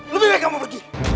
lebih baik kamu pergi